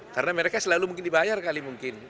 karena mereka selalu mungkin dibayar kali mungkin